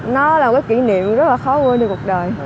nó là một cái kỷ niệm rất là khó quên được cuộc đời